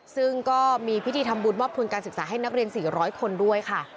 ซึ่งก็มีพิธีทำบุญมอบทุนการศึกษาให้นักเรียน๔๐๐คนด้วยค่ะ